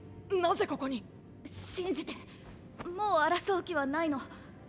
なぜここに⁉信じてもう争う気はないの。